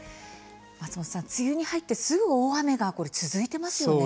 松本さん、梅雨に入ってすぐ大雨が続いていますね。